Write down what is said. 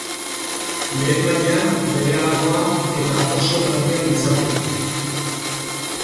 Lehen maila berehalakoa eta oso larria litzateke.